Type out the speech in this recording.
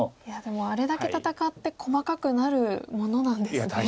いやでもあれだけ戦って細かくなるものなんですね。